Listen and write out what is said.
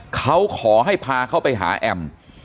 เขาขอให้พาเขาไปหาแอม